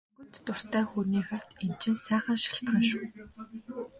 Мөнгөнд дуртай хүний хувьд энэ чинь сайхан шалтгаан шүү.